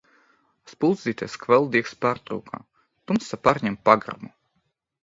Spuldzītes kvēldiegs pārtrūka, tumsa pārņem pagrabu.